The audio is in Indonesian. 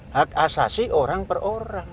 hak asasi orang per orang